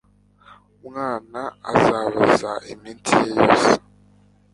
umwana azabaza iminsi ye yose